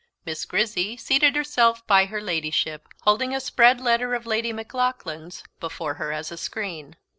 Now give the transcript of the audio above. Miss Grizzy seated herself by her Ladyship, holding a spread letter of Lady Maclaughlan's before her as a screen.